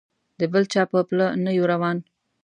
د بل چا په پله نه یو روان.